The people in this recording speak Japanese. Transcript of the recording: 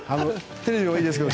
テレビもいいですけど。